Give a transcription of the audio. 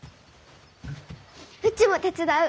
うちも手伝う。